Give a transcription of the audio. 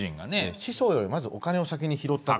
師匠よりまずお金を先に拾ったって。